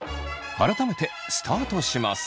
改めてスタートします。